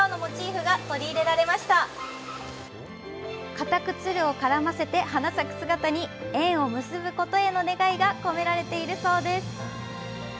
かたくツルを絡ませて花咲く姿に縁を結ぶことへの願いが込められているそうです。